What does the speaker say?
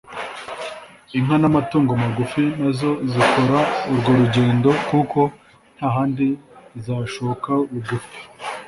Inka n’amatungo magufi nazo zikora urwo rugendo kuko nta handi zashoka bugufi